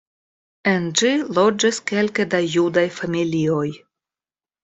En ĝi loĝis kelke da judaj familioj.